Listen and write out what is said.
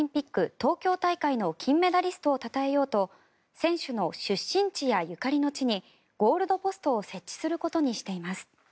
東京大会の金メダリストをたたえようと選手の出身地やゆかりの地にゴールドポストを設置することにしています。